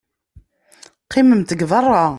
Qqimemt deg beṛṛa.